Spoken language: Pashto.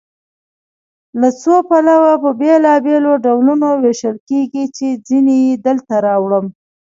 له څو پلوه په بېلابېلو ډولونو ویشل کیږي چې ځینې یې دلته راوړو.